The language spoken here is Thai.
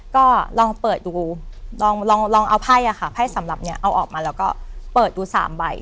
ก็ลองเปิดดูลองเอาไพ่ค่ะไพ่สำหรับเนี่ยเอาออกมาแล้วก็เปิดดู๓ใบ